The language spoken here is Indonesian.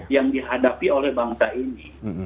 yang dihadapi oleh bangsa ini